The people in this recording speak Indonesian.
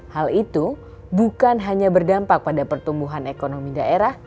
hal itu bukan hanya berdampak pada pertumbuhan ekonomi daerah